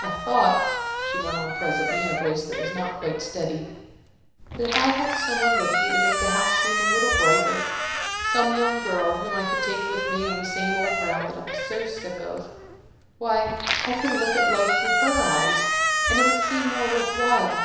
"I thought," she went on presently, in a voice that was not quite steady, "that if I had some one with me to make the house seem a little brighter some young girl whom I could take with me on the same old round that I'm so sick of why, I could look at life through her eyes, and it would seem more worth while.